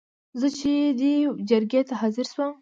زه چې دې جرګې ته حاضر شوم.